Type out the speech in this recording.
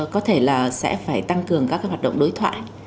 có thể là sẽ phải tăng cường các cái hoạt động đối thoại